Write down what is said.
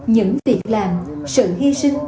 những việc làm sự hy sinh